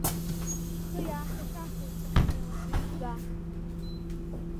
Схы иааҭашәахуеит сахьнеиуа сласӡа.